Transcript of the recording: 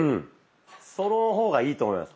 その方がいいと思います。